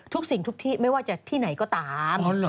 ทุกสิ่งทุกที่ไม่ว่าจะที่ไหนก็ตาม